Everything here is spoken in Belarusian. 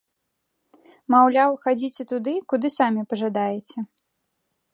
Маўляў, хадзіце туды, куды самі пажадаеце!